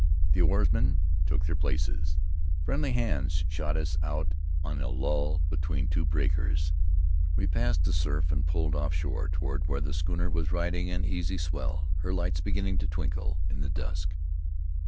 The oarsmen took their places; friendly hands shot us out in a lull between two breakers; we passed the surf and pulled offshore toward where the schooner was riding an easy swell, her lights beginning to twinkle in the dusk.